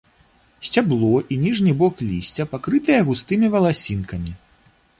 Сцябло і ніжні бок лісця пакрытыя густымі валасінкамі.